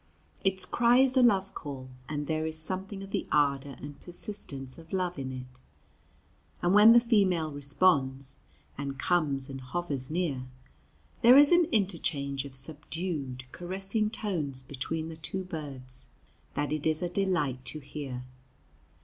Its cry is a love call, and there is something of the ardor and persistence of love in it, and when the female responds, and comes and hovers near, there is an interchange of subdued, caressing tones between the two birds that it is a delight to hear.